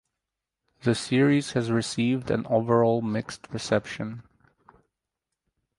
The series has received an overall mixed reception.